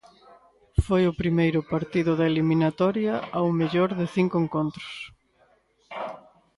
Foi o primeiro partido da eliminatoria ao mellor de cinco encontros.